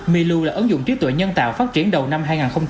milu là ứng dụng trí tuệ nhân tạo phát triển đầu năm hai nghìn hai mươi